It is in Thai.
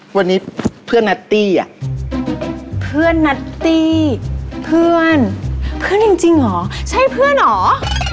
วันนี้เพื่อนนัตตี้อ่ะเพื่อนนัตตี้เพื่อนเพื่อนจริงเหรอใช่เพื่อนเหรอ